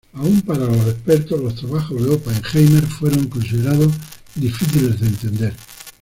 Aun para los expertos, los trabajos de Oppenheimer fueron considerados difíciles de entender.